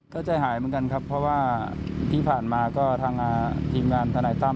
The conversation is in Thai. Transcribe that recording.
ก็ใจหายเหมือนกันครับเพราะว่าที่ผ่านมาก็ทางทีมงานทนายตั้ม